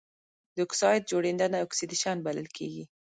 د اکسايډ جوړیدنه اکسیدیشن بلل کیږي.